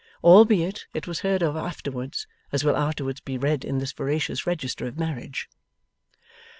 Albeit it was heard of afterwards, as will afterwards be read in this veracious register of marriage.